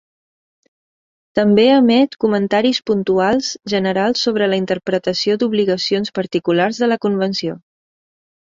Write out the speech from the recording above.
També emet comentaris puntuals generals sobre la interpretació d'obligacions particulars de la Convenció.